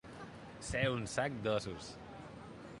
Ser un sac d'ossos.